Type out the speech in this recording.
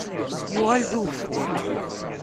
Yuɣal-d ugeffur.